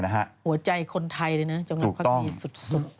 หัวใจคนไทยเลยนะจังหวัดค่ะพรีศุดสุก